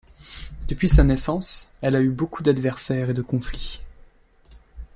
Depuis sa naissance, elle a eu beaucoup d'adversaires et de conflits.